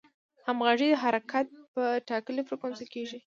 همغږي حرکت په ټاکلې فریکونسي کېږي.